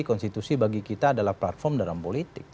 konstitusi bagi kita adalah platform dalam politik